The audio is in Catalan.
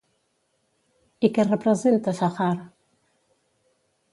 I què representa Šaḥar?